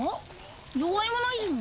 弱い者いじめ？